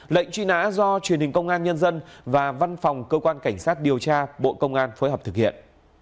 lệnh truy nã do truyền hình công an nhân dân và văn phòng cơ quan cảnh sát điều tra bộ công an phối hợp thực hiện